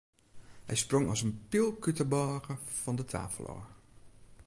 Hy sprong as in pylk út de bôge fan de tafel ôf.